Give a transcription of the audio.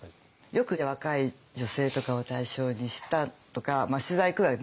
よく若い女性とかを対象にしたとか取材来るわけね。